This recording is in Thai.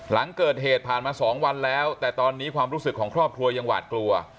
หลังเกิดเหตุผ่านมา๒วันแล้วแต่ตอนนี้ความรู้สึกของครอบครัวยังหวาดกลัว